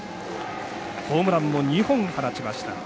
ホームランも２本放ちました。